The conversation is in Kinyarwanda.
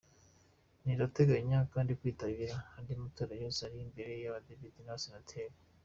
Rirateganya kandi kwitabira andi matora yose ari imbere; ay’Abadepite n’ Abasenateri.